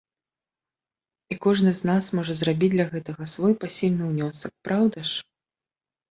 І кожны з нас можа зрабіць для гэтага свой пасільны ўнёсак, праўда ж?